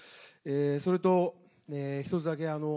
それと１つだけ。